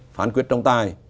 phán quyết trọng tài